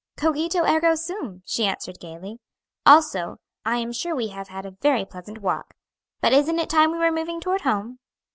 "Cogito, ergo sum," she answered gayly, "Also I am sure we have had a very pleasant walk. But isn't it time we were moving toward home?"